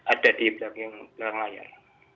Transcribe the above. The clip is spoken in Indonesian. ada di belakang layar